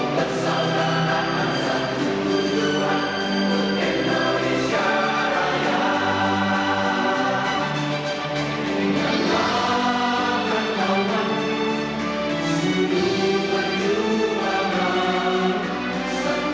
pdi perjuangan jaya